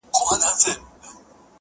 د سر په غم کي ټوله دنیا ده!.